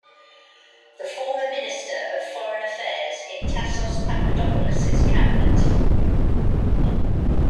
The former minister of foreign affairs in Tassos Papadopoulos' cabinet.